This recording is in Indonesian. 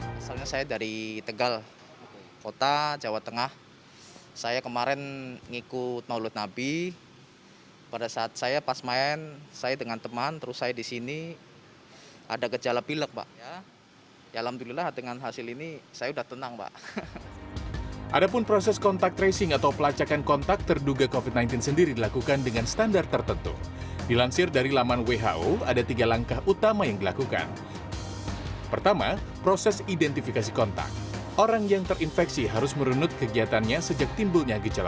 pihak penyelenggara mengaku sempat kesulitan menarik warga yang paling dekat dengan lokasi penyelenggaraan maulid nabi dan resepsi pernikahan putri rizik zihab empat belas november lalu